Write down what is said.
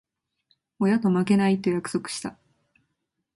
親と負けない、と約束した。